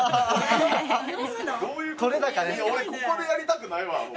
いや俺ここでやりたくないわ。